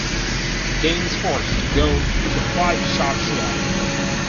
The game is forced to go to a five-shot shootout.